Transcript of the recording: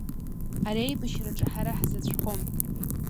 Ари аибашьраҿы ҳара ҳзаҵәхом…